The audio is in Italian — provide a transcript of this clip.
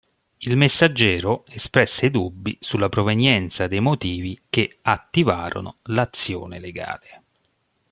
Il Messaggero espresse dubbi sulla provenienza dei motivi che attivarono l'azione legale.